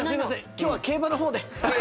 今日は競馬の方で。